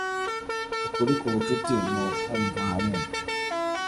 Ukuri kubucuti ni ukumva hamwe